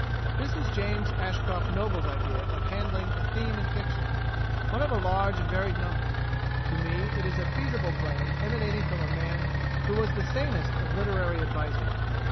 "[7:A] This is James Ashcroft Noble's idea of handling a theme in fiction; one of a large and varied number. To me it is a feasible plan emanating from a man who was the sanest of literary advisers.